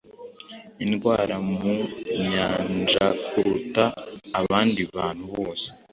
Indwara mu nyanjakuruta abandi bantu bose